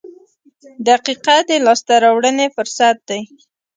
• دقیقه د لاسته راوړنې فرصت دی.